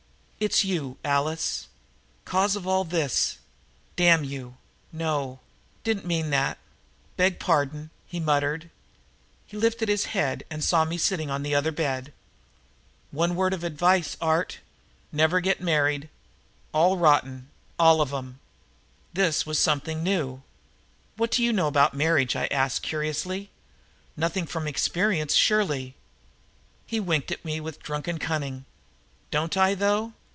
"It's you, Alice cause of all this damn you no didn't mean that beg pardon," he muttered. He lifted his head and saw me sitting on the other bed. "One word advice, Art never get married all rotten, all of 'em " This was something new. "What do you know about marriage?" I asked curiously. "Nothing from experience, surely." He winked at me with drunken cunning. "Don't I, though!